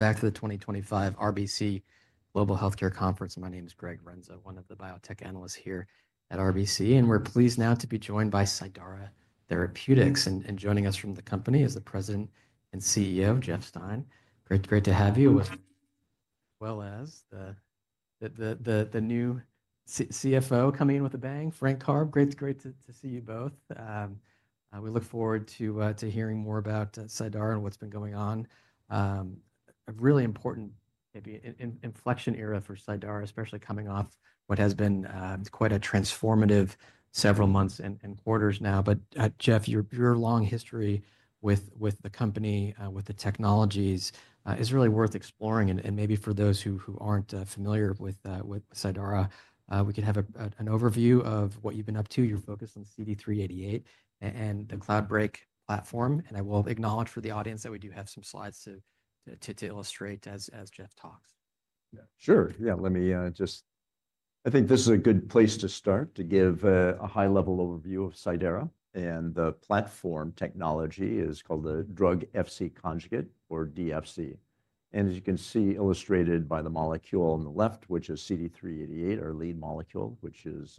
Back to the 2025 RBC Global Healthcare Conference. My name is Greg Renza, one of the biotech analysts here at RBC, and we're pleased now to be joined by Cidara Therapeutics. Joining us from the company is the President and CEO, Jeff Stein. Great to have you, as well as the new CFO coming in with a bang, Frank Karbe. Great to see you both. We look forward to hearing more about Cidara and what's been going on. A really important inflection era for Cidara, especially coming off what has been quite a transformative several months and quarters now. Jeff, your long history with the company, with the technologies, is really worth exploring. Maybe for those who aren't familiar with Cidara, we could have an overview of what you've been up to. You're focused on CD388 and the Cloudbreak platform. I will acknowledge for the audience that we do have some slides to illustrate as Jeff talks. Sure. Yeah, let me just, I think this is a good place to start to give a high-level overview of Cidara. The platform technology is called the Drug-Fc Conjugate, or DFC. As you can see illustrated by the molecule on the left, which is CD388, our lead molecule, which is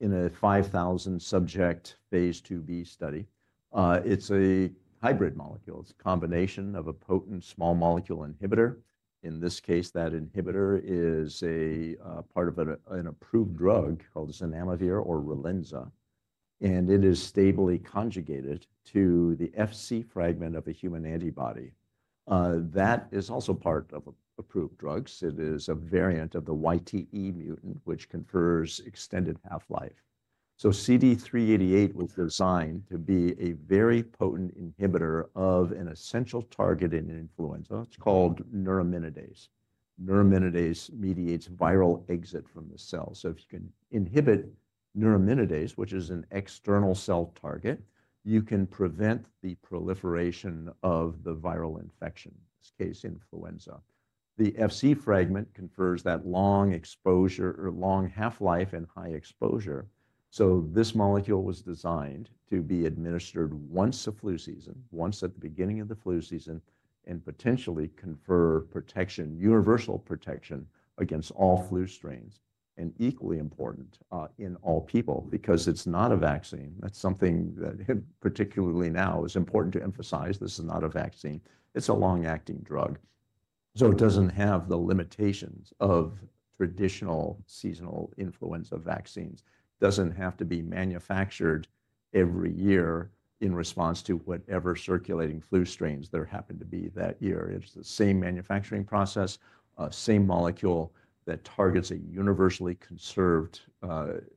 in a 5,000-subject phase IIB study. It's a hybrid molecule. It's a combination of a potent small molecule inhibitor. In this case, that inhibitor is a part of an approved drug called Zanamivir, or Relenza. It is stably conjugated to the Fc fragment of a human antibody. That is also part of approved drugs. It is a variant of the YTE mutant, which confers extended half-life. CD388 was designed to be a very potent inhibitor of an essential target in influenza. It's called neuraminidase. Neuraminidase mediates viral exit from the cell. If you can inhibit neuraminidase, which is an external cell target, you can prevent the proliferation of the viral infection, in this case, influenza. The Fc fragment confers that long exposure, or long half-life and high exposure. This molecule was designed to be administered once a flu season, once at the beginning of the flu season, and potentially confer protection, universal protection against all flu strains. Equally important in all people, because it's not a vaccine. That's something that particularly now is important to emphasize. This is not a vaccine. It's a long-acting drug. It doesn't have the limitations of traditional seasonal influenza vaccines. It doesn't have to be manufactured every year in response to whatever circulating flu strains there happen to be that year. It's the same manufacturing process, same molecule that targets a universally conserved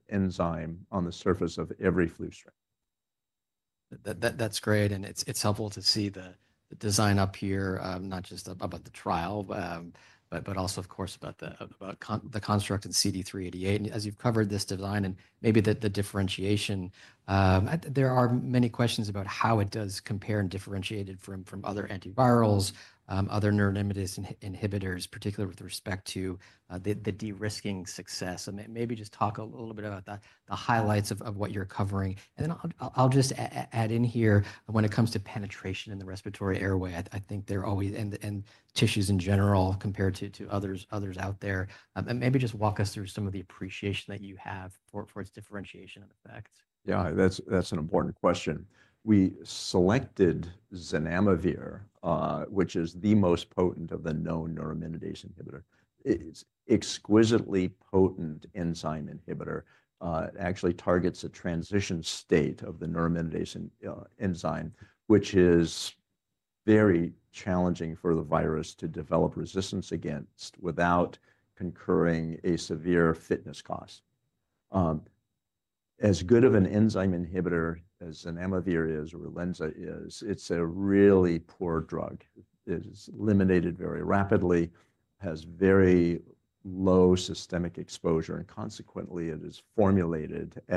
enzyme on the surface of every flu strain. That's great. It's helpful to see the design up here, not just about the trial, but also, of course, about the construct and CD388. As you've covered this design and maybe the differentiation, there are many questions about how it does compare and differentiate it from other antivirals, other neuraminidase inhibitors, particularly with respect to the de-risking success. Maybe just talk a little bit about the highlights of what you're covering. I'll just add in here, when it comes to penetration in the respiratory airway, I think there are always, and tissues in general compared to others out there. Maybe just walk us through some of the appreciation that you have for its differentiation and effects. Yeah, that's an important question. We selected Zanamivir, which is the most potent of the known neuraminidase inhibitors. It's an exquisitely potent enzyme inhibitor. It actually targets a transition state of the neuraminidase enzyme, which is very challenging for the virus to develop resistance against without incurring a severe fitness cost. As good of an enzyme inhibitor as Zanamivir is, or Relenza is, it's a really poor drug. It is eliminated very rapidly, has very low systemic exposure, and consequently, it is formulated in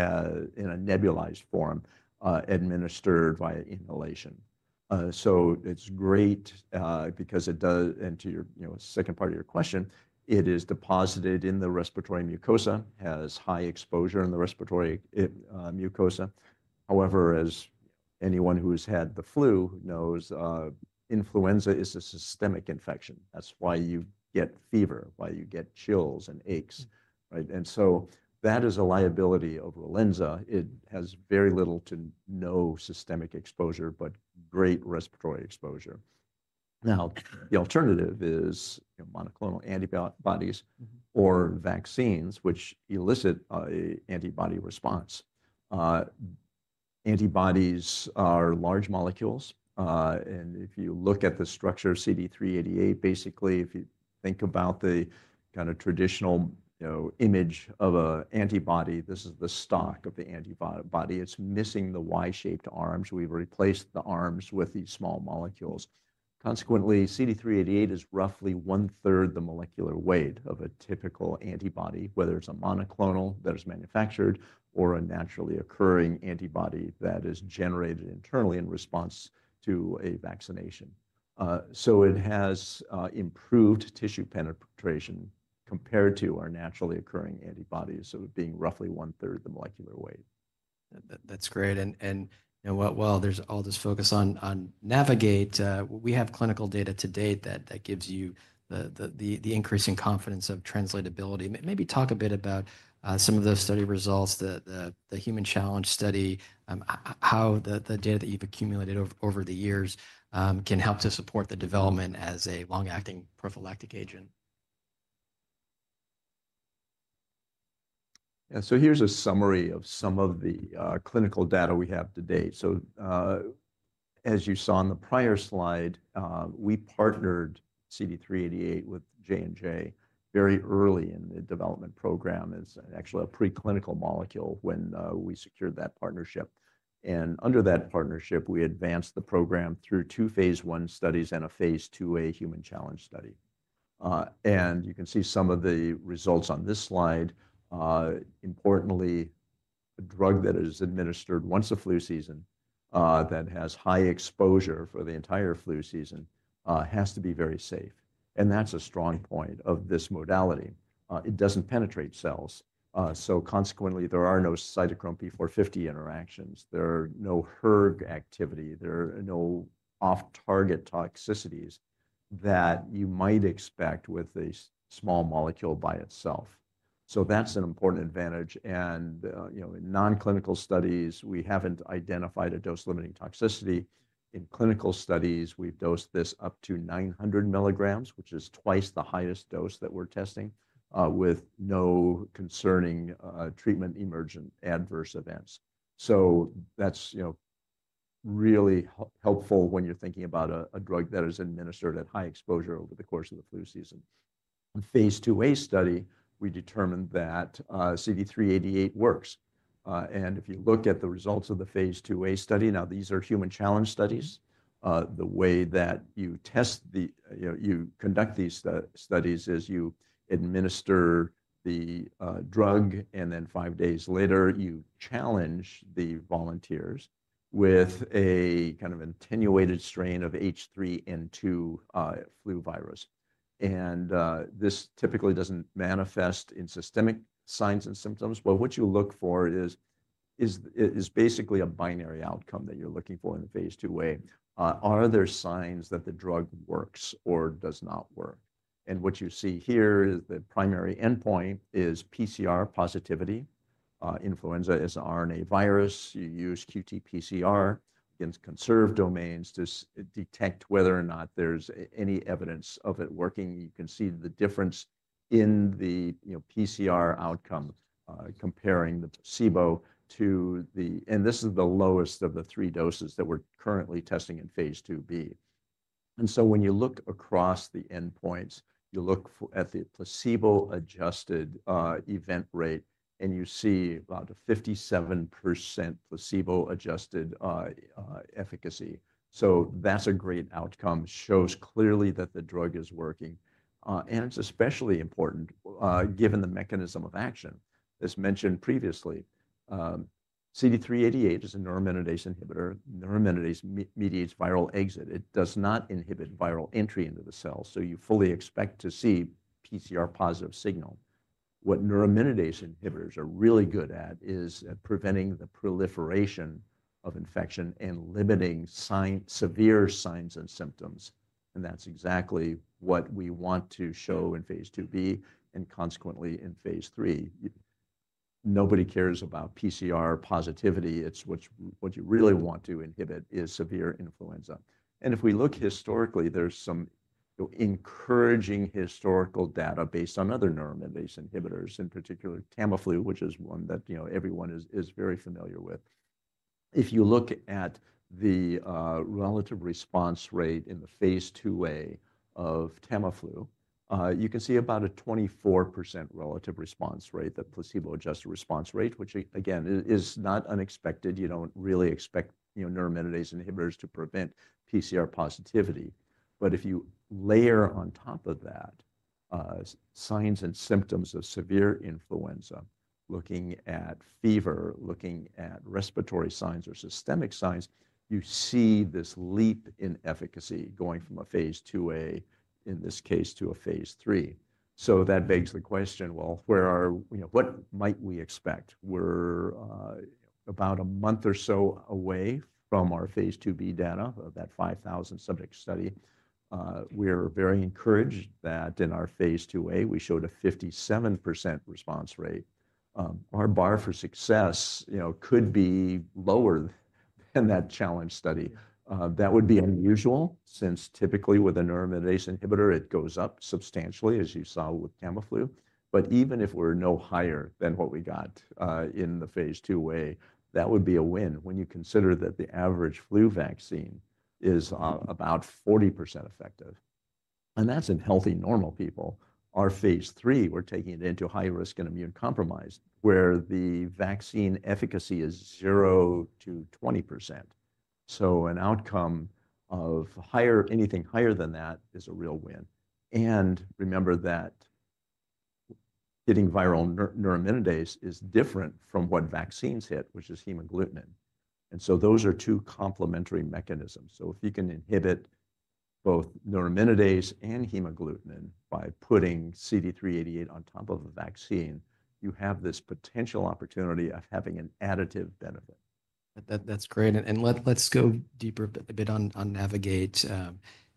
a nebulized form, administered via inhalation. It is great because it does, and to your second part of your question, it is deposited in the respiratory mucosa, has high exposure in the respiratory mucosa. However, as anyone who's had the flu knows, influenza is a systemic infection. That's why you get fever, why you get chills and aches. That is a liability of Relenza. It has very little to no systemic exposure, but great respiratory exposure. Now, the alternative is monoclonal antibodies or vaccines, which elicit an antibody response. Antibodies are large molecules. If you look at the structure of CD388, basically, if you think about the kind of traditional image of an antibody, this is the stock of the antibody. It's missing the Y-shaped arms. We've replaced the arms with these small molecules. Consequently, CD388 is roughly one-third the molecular weight of a typical antibody, whether it's a monoclonal that is manufactured or a naturally occurring antibody that is generated internally in response to a vaccination. It has improved tissue penetration compared to our naturally occurring antibodies, it being roughly one-third the molecular weight. That's great. While there's all this focus on Navigate, we have clinical data to date that gives you the increasing confidence of translatability. Maybe talk a bit about some of those study results, the human challenge study, how the data that you've accumulated over the years can help to support the development as a long-acting prophylactic agent. Yeah, so here's a summary of some of the clinical data we have to date. As you saw in the prior slide, we partnered CD388 with J&J very early in the development program as actually a preclinical molecule when we secured that partnership. Under that partnership, we advanced the program through two phase I studies and a phase IIA human challenge study. You can see some of the results on this slide. Importantly, a drug that is administered once a flu season that has high exposure for the entire flu season has to be very safe. That's a strong point of this modality. It does not penetrate cells. Consequently, there are no cytochrome P450 interactions. There is no hERG activity. There are no off-target toxicities that you might expect with a small molecule by itself. That's an important advantage. In nonclinical studies, we haven't identified a dose-limiting toxicity. In clinical studies, we've dosed this up to 900 mg, which is twice the highest dose that we're testing, with no concerning treatment emergent adverse events. That's really helpful when you're thinking about a drug that is administered at high exposure over the course of the flu season. In phase IIA study, we determined that CD388 works. If you look at the results of the phase IIA study, now these are human challenge studies. The way that you conduct these studies is you administer the drug, and then five days later, you challenge the volunteers with a kind of attenuated strain of H3N2 flu virus. This typically doesn't manifest in systemic signs and symptoms. What you look for is basically a binary outcome that you're looking for in the phase II wave. Are there signs that the drug works or does not work? What you see here is the primary endpoint is PCR positivity. Influenza is an RNA virus. You use qRT-PCR against conserved domains to detect whether or not there's any evidence of it working. You can see the difference in the PCR outcome comparing the placebo to the, and this is the lowest of the three doses that we're currently testing in phase IIB. When you look across the endpoints, you look at the placebo-adjusted event rate, and you see about a 57% placebo-adjusted efficacy. That's a great outcome. It shows clearly that the drug is working. It's especially important given the mechanism of action. As mentioned previously, CD388 is a neuraminidase inhibitor. Neuraminidase mediates viral exit. It does not inhibit viral entry into the cell. You fully expect to see a PCR positive signal. What neuraminidase inhibitors are really good at is at preventing the proliferation of infection and limiting severe signs and symptoms. That is exactly what we want to show in phase IIB and consequently in phase III. Nobody cares about PCR positivity. What you really want to inhibit is severe influenza. If we look historically, there is some encouraging historical data based on other neuraminidase inhibitors, in particular Tamiflu, which is one that everyone is very familiar with. If you look at the relative response rate in the phase IIA of Tamiflu, you can see about a 24% relative response rate, the placebo-adjusted response rate, which again, is not unexpected. You do not really expect neuraminidase inhibitors to prevent PCR positivity. If you layer on top of that signs and symptoms of severe influenza, looking at fever, looking at respiratory signs or systemic signs, you see this leap in efficacy going from a phase IIA, in this case, to a phase III. That begs the question, what might we expect? We're about a month or so away from our phase IIB data of that 5,000-subject study. We're very encouraged that in our phase IIA, we showed a 57% response rate. Our bar for success could be lower than that challenge study. That would be unusual since typically with a neuraminidase inhibitor, it goes up substantially, as you saw with Tamiflu. Even if we're no higher than what we got in the phase IIA, that would be a win when you consider that the average flu vaccine is about 40% effective. That's in healthy, normal people. Our phase III, we're taking it into high risk and immune compromise, where the vaccine efficacy is 0%-20%. An outcome of anything higher than that is a real win. Remember that hitting viral neuraminidase is different from what vaccines hit, which is hemagglutinin. Those are two complementary mechanisms. If you can inhibit both neuraminidase and hemagglutinin by putting CD388 on top of a vaccine, you have this potential opportunity of having an additive benefit. That's great. Let's go deeper a bit on Navigate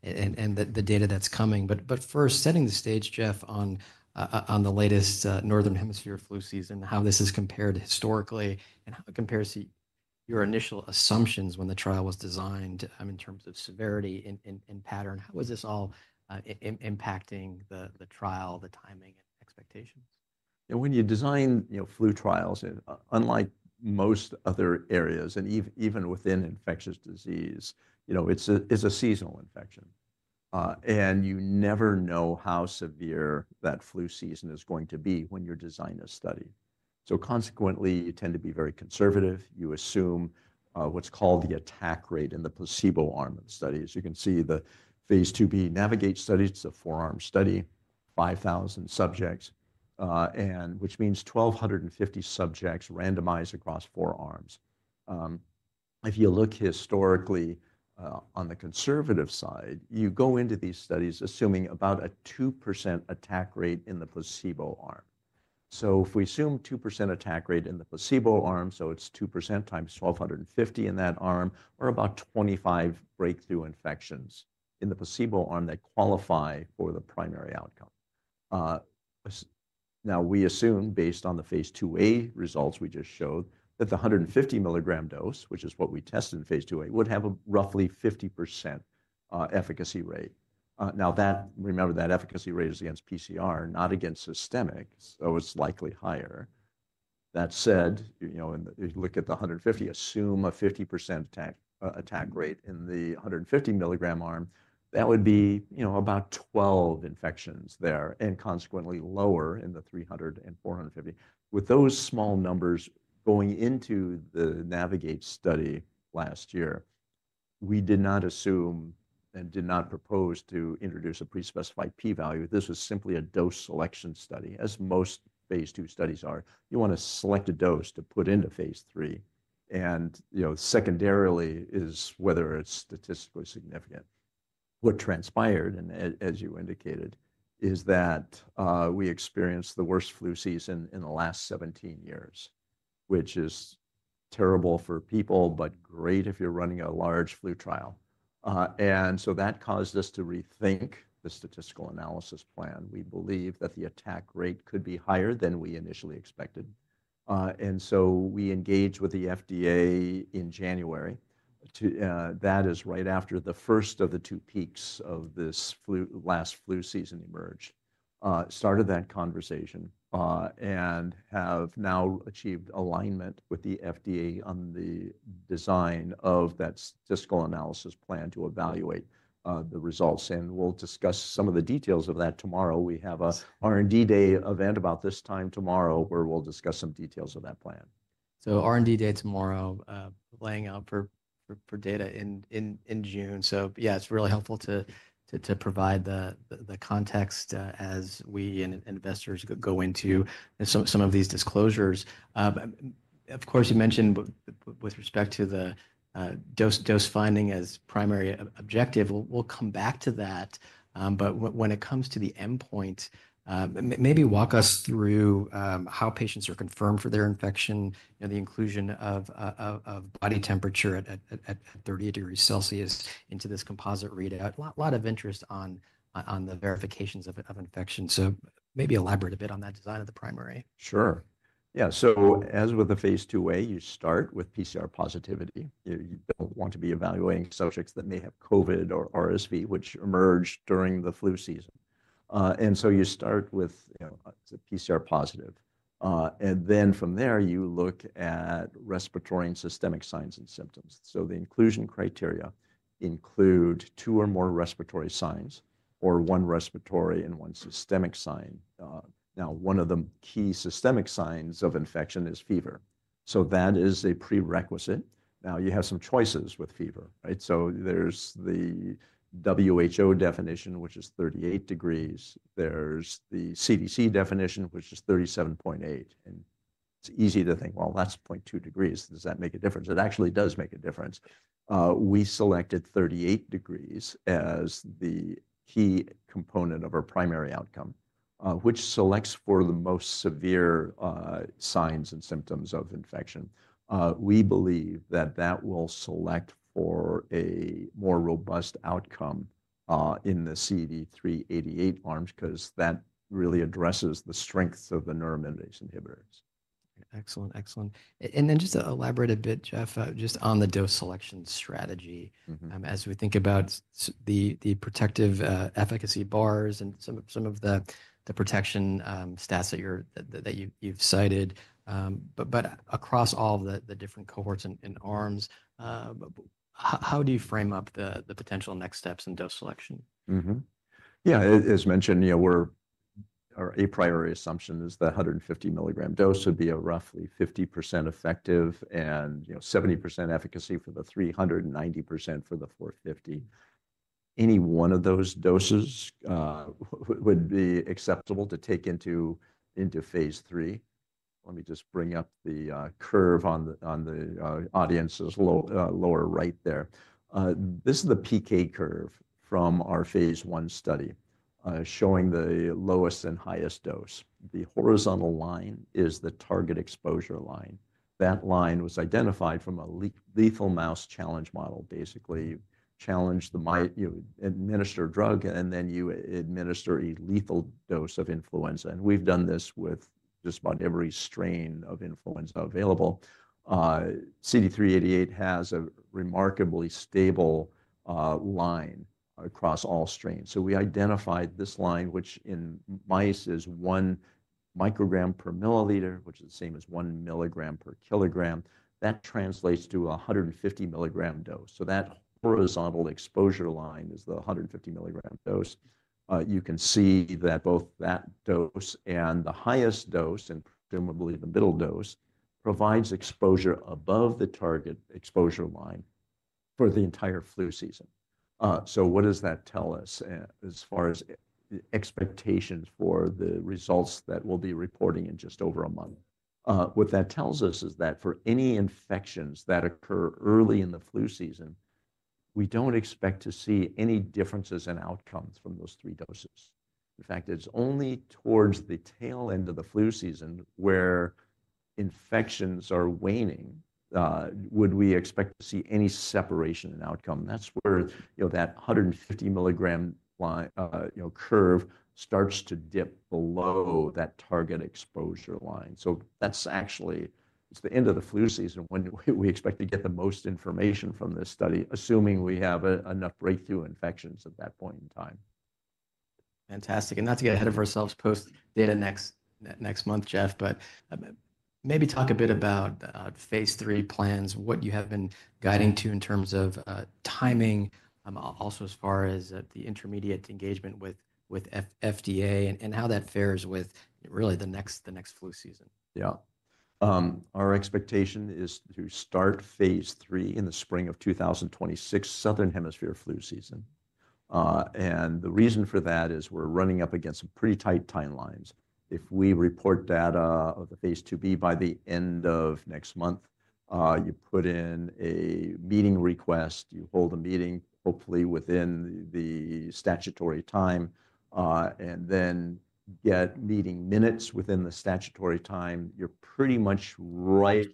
and the data that's coming. First, setting the stage, Jeff, on the latest northern hemisphere flu season, how this is compared historically and how it compares to your initial assumptions when the trial was designed in terms of severity and pattern. How was this all impacting the trial, the timing, and expectations? When you design flu trials, unlike most other areas, and even within infectious disease, it's a seasonal infection. You never know how severe that flu season is going to be when you're designing a study. Consequently, you tend to be very conservative. You assume what's called the attack rate in the placebo arm of the studies. You can see the phase IIB Navigate study. It's a four-arm study, 5,000 subjects, which means 1,250 subjects randomized across four arms. If you look historically on the conservative side, you go into these studies assuming about a 2% attack rate in the placebo arm. If we assume 2% attack rate in the placebo arm, it's 2%x 1,250 in that arm, or about 25 breakthrough infections in the placebo arm that qualify for the primary outcome. Now, we assume, based on the phase IIA results we just showed, that the 150 mg dose, which is what we tested in phase IIA, would have a roughly 50% efficacy rate. Now, remember, that efficacy rate is against PCR, not against systemic, so it's likely higher. That said, you look at the 150, assume a 50% attack rate in the 150 mg arm. That would be about 12 infections there and consequently lower in the 300 and 450. With those small numbers going into the Navigate study last year, we did not assume and did not propose to introduce a pre-specified p-value. This was simply a dose selection study, as most phase II studies are. You want to select a dose to put into phase III. And secondarily is whether it's statistically significant. What transpired, as you indicated, is that we experienced the worst flu season in the last 17 years, which is terrible for people, but great if you're running a large flu trial. That caused us to rethink the statistical analysis plan. We believe that the attack rate could be higher than we initially expected. We engaged with the FDA in January. That is right after the first of the two peaks of this last flu season emerged. Started that conversation and have now achieved alignment with the FDA on the design of that statistical analysis plan to evaluate the results. We'll discuss some of the details of that tomorrow. We have an R&D day event about this time tomorrow where we'll discuss some details of that plan. R&D day tomorrow, laying out for data in June. Yeah, it's really helpful to provide the context as we and investors go into some of these disclosures. Of course, you mentioned with respect to the dose finding as primary objective, we'll come back to that. When it comes to the endpoint, maybe walk us through how patients are confirmed for their infection, the inclusion of body temperature at 38 degrees Celsius into this composite readout. A lot of interest on the verifications of infection. Maybe elaborate a bit on that design of the primary. Sure. Yeah. As with the phase IIA, you start with PCR positivity. You do not want to be evaluating subjects that may have COVID or RSV, which emerged during the flu season. You start with PCR positive. From there, you look at respiratory and systemic signs and symptoms. The inclusion criteria include two or more respiratory signs or one respiratory and one systemic sign. Now, one of the key systemic signs of infection is fever. That is a prerequisite. You have some choices with fever. There is the WHO definition, which is 38 degrees. There is the CDC definition, which is 37.8. It is easy to think, well, that is 0.2 degrees. Does that make a difference? It actually does make a difference. We selected 38 degrees as the key component of our primary outcome, which selects for the most severe signs and symptoms of infection. We believe that that will select for a more robust outcome in the CD388 arms because that really addresses the strengths of the neuraminidase inhibitors. Excellent. Excellent. Just to elaborate a bit, Jeff, just on the dose selection strategy as we think about the protective efficacy bars and some of the protection stats that you've cited. Across all the different cohorts and arms, how do you frame up the potential next steps in dose selection? Yeah. As mentioned, our a priori assumption is the 150 mg dose would be roughly 50% effective and 70% efficacy for the 300 and 90% for the 450. Any one of those doses would be acceptable to take into phase III. Let me just bring up the curve on the audience's lower right there. This is the PK curve from our phase I study showing the lowest and highest dose. The horizontal line is the target exposure line. That line was identified from a lethal mouse challenge model, basically challenge the administer drug, and then you administer a lethal dose of influenza. We've done this with just about every strain of influenza available. CD388 has a remarkably stable line across all strains. We identified this line, which in mice is 1 microgram per milliliter, which is the same as 1 mg per kilogram. That translates to a 150 mg dose. So that horizontal exposure line is the 150 mg dose. You can see that both that dose and the highest dose and presumably the middle dose provides exposure above the target exposure line for the entire flu season. What does that tell us as far as expectations for the results that we'll be reporting in just over a month? What that tells us is that for any infections that occur early in the flu season, we don't expect to see any differences in outcomes from those three doses. In fact, it's only towards the tail end of the flu season where infections are waning would we expect to see any separation in outcome. That's where that 150 mg curve starts to dip below that target exposure line. That's actually the end of the flu season when we expect to get the most information from this study, assuming we have enough breakthrough infections at that point in time. Fantastic. Not to get ahead of ourselves, post data next month, Jeff, but maybe talk a bit about phase III plans, what you have been guiding to in terms of timing, also as far as the intermediate engagement with FDA and how that fares with really the next flu season. Yeah. Our expectation is to start phase III in the spring of 2026, southern hemisphere flu season. The reason for that is we're running up against some pretty tight timelines. If we report data of the phase IIB by the end of next month, you put in a meeting request, you hold a meeting hopefully within the statutory time, and then get meeting minutes within the statutory time, you're pretty much right.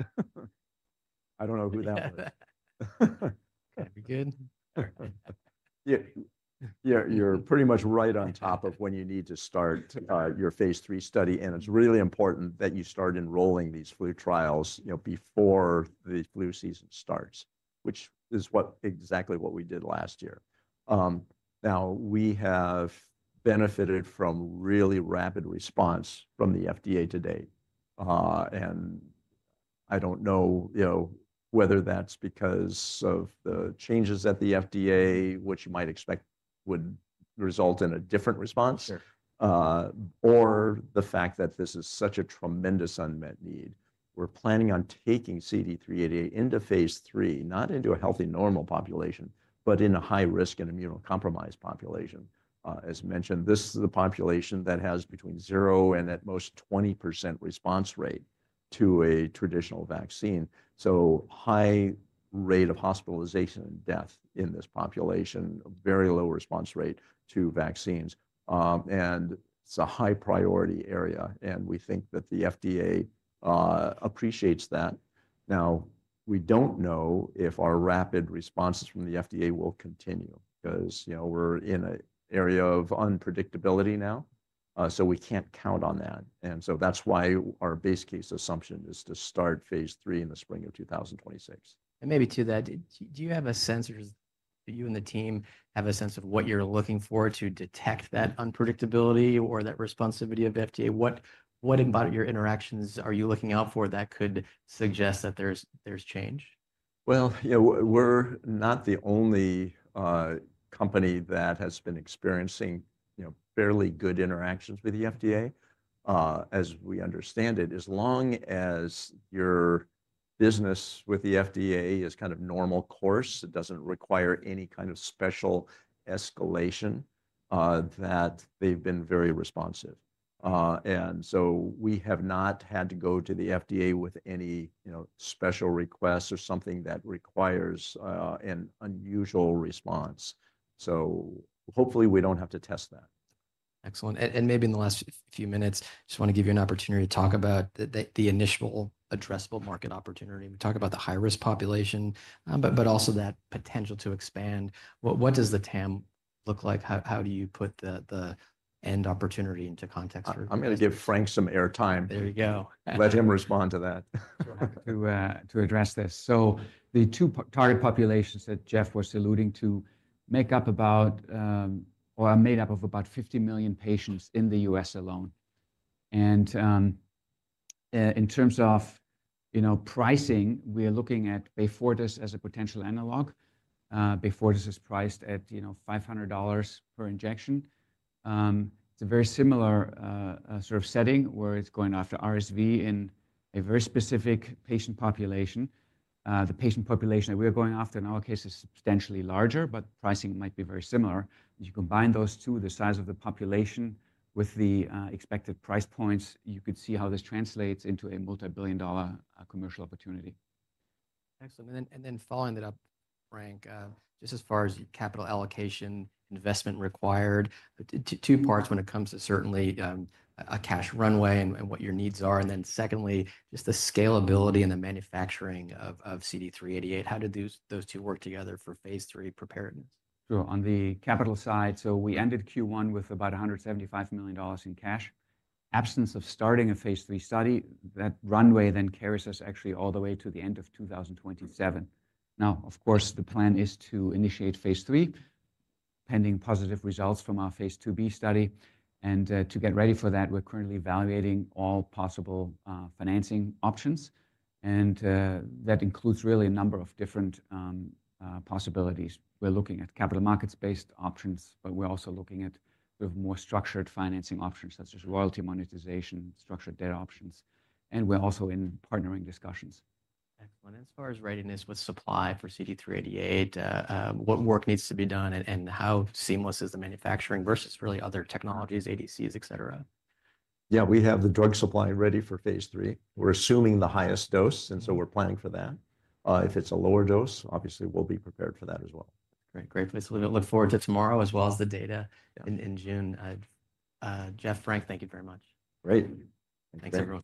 I don't know who that was. Okay. You're good. You're pretty much right on top of when you need to start your phase III study. It is really important that you start enrolling these flu trials before the flu season starts, which is exactly what we did last year. We have benefited from really rapid response from the FDA to date. I don't know whether that's because of the changes at the FDA, which you might expect would result in a different response, or the fact that this is such a tremendous unmet need. We're planning on taking CD388 into phase III, not into a healthy normal population, but in a high-risk and immunocompromised population. As mentioned, this is the population that has between 0% and at most 20% response rate to a traditional vaccine. High rate of hospitalization and death in this population, very low response rate to vaccines. It is a high priority area. We think that the FDA appreciates that. Now, we do not know if our rapid responses from the FDA will continue because we are in an area of unpredictability now. We cannot count on that. That is why our base case assumption is to start phase III in the spring of 2026. Maybe to that, do you have a sense of, you and the team have a sense of what you're looking for to detect that unpredictability or that responsivity of FDA? What about your interactions are you looking out for that could suggest that there's change? We're not the only company that has been experiencing fairly good interactions with the FDA, as we understand it. As long as your business with the FDA is kind of normal course, it does not require any kind of special escalation, that they've been very responsive. We have not had to go to the FDA with any special requests or something that requires an unusual response. Hopefully we do not have to test that. Excellent. Maybe in the last few minutes, I just want to give you an opportunity to talk about the initial addressable market opportunity. We talk about the high-risk population, but also that potential to expand. What does the TAM look like? How do you put the end opportunity into context? I'm going to give Frank some airtime. There you go. Let him respond to that. To address this. The two target populations that Jeff was alluding to make up about or are made up of about 50 million patients in the U.S. alone. In terms of pricing, we are looking at Beyfortus as a potential analog. Beyfortus is priced at $500 per injection. It is a very similar sort of setting where it is going after RSV in a very specific patient population. The patient population that we are going after in our case is substantially larger, but pricing might be very similar. If you combine those two, the size of the population with the expected price points, you could see how this translates into a multi-billion dollar commercial opportunity. Excellent. Following that up, Frank, just as far as capital allocation investment required, two parts when it comes to certainly a cash runway and what your needs are. Secondly, just the scalability and the manufacturing of CD388. How do those two work together for phase III preparedness? On the capital side, we ended Q1 with about $175 million in cash. Absence of starting a phase III study, that runway then carries us actually all the way to the end of 2027. Now, of course, the plan is to initiate phase III pending positive results from our phase IIB study. To get ready for that, we're currently evaluating all possible financing options. That includes really a number of different possibilities. We're looking at capital markets-based options, but we're also looking at more structured financing options such as royalty monetization, structured data options. We're also in partnering discussions. Excellent. As far as readiness with supply for CD388, what work needs to be done and how seamless is the manufacturing versus really other technologies, ADCs, et cetera? Yeah, we have the drug supply ready for phase III. We're assuming the highest dose, and so we're planning for that. If it's a lower dose, obviously we'll be prepared for that as well. Great. Great. So we look forward to tomorrow as well as the data in June. Jeff, Frank, thank you very much. Great. Thanks everyone.